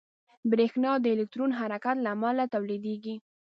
برېښنا د الکترون حرکت له امله تولیدېږي.